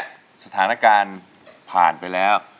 สถานการณ์ผ่านไปแล้ว